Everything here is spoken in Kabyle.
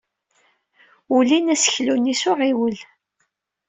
Ulin aseklu-nni s uɣiwel.